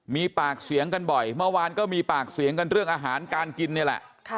มีปากเสียงกันบ่อยเมื่อวานก็มีปากเสียงกันเรื่องอาหารการกินนี่แหละ